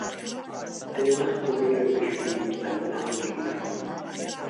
د مخکې ویلو یا پیشګویۍ کتابونه هم جوړ شول.